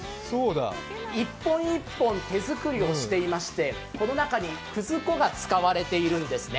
１本１本手作りをしていまして、この中にくず粉が使われているんですね。